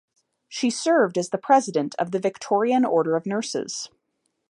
She served as the President of the Victorian Order of Nurses.